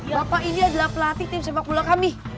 bapak ini adalah pelatih tim sepak bola kami